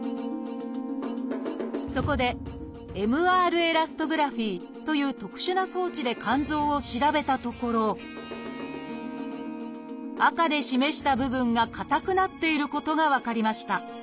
そこで「ＭＲエラストグラフィ」という特殊な装置で肝臓を調べたところ赤で示した部分が硬くなっていることが分かりました。